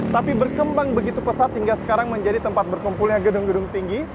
tapi berkembang begitu pesat hingga sekarang menjadi tempat berkumpulnya gedung gedung tinggi